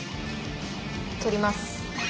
取ります。